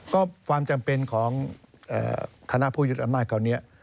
ก็ความจำเป็นของคณะผู้ยึดอำนาจคราวนี้